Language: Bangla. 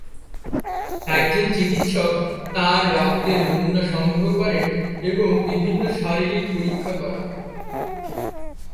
একজন চিকিৎসক তাঁর রক্তের নমুনা সংগ্রহ করেন এবং বিভিন্ন শারীরিক পরীক্ষা করান।